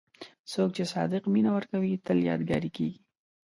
څوک چې صادق مینه ورکوي، تل یادګاري کېږي.